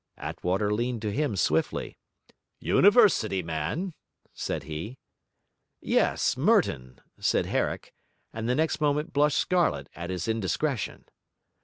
Attwater leaned to him swiftly. 'University man?' said he. 'Yes, Merton,' said Herrick, and the next moment blushed scarlet at his indiscretion.